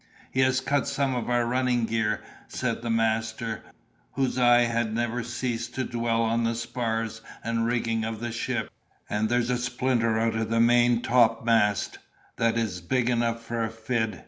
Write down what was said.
"He has cut some of our running gear," said the master, whose eye had never ceased to dwell on the spars and rigging of the ship; "and there's a splinter out of the maintopmast, that is big enough for a fid!